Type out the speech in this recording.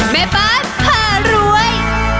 แม่บ้านผ่ารวย